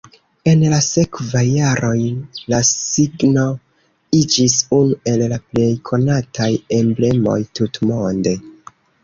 En la sekvaj jaroj la signo iĝis unu el la plej konataj emblemoj tutmonde.